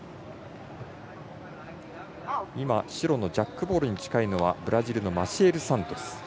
今、白のジャックボールに近いのはブラジルのマシエル・サントス。